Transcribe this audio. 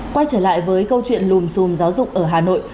quay trở lại với câu chuyện lùm xùm giáo dục ở hà nội